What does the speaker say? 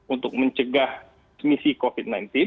untuk mencegah semisi covid sembilan belas